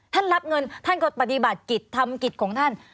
ท่านรับเงินท่านก็ปฏิบัติกฤทธรรมกฤทธิ์ของท่าน